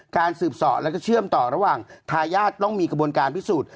การสืบสอแล้วก็เชื่อมต่อระหว่างทายาทต้องมีกระบวนการพิสูจน์